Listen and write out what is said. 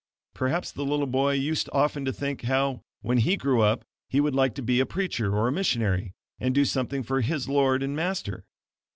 Perhaps the little boy used often to think how, when he grew up, he would like to be a preacher or a missionary, and do something for his Lord and Master.